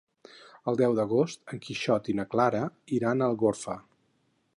El deu d'agost en Quixot i na Clara iran a Algorfa.